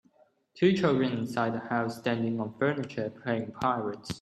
Two children inside a house standing on furniture, playing pirates.